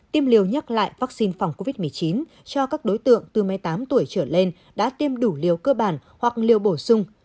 tiêm liều nhắc lại vaccine phòng covid một mươi chín cho các đối tượng từ một mươi tám tuổi trở lên đã tiêm đủ liều cơ bản hoặc liều bổ sung